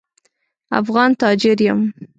افغان تاجر یم.